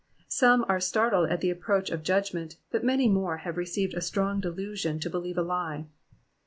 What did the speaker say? Some are startled at the approach of judgment, but many more have received a strong delusion to believe a lie.